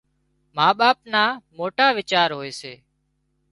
ما ٻاپ نا موٽا ويچار هوئي سي